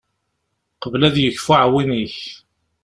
Qbel ad yekfu uεwin-ik